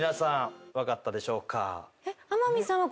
分かったでしょうか？